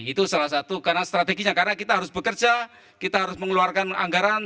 itu salah satu karena strateginya karena kita harus bekerja kita harus mengeluarkan anggaran